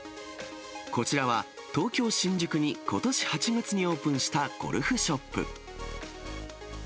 こちらは東京・新宿にことし８月にオープンしたゴルフショップ。